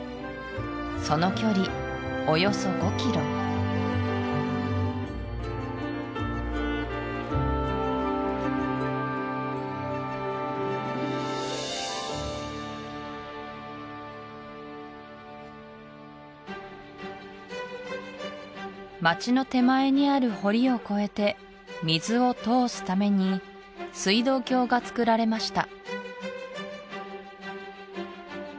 その距離およそ５キロ街の手前にある堀を越えて水を通すために水道橋がつくられました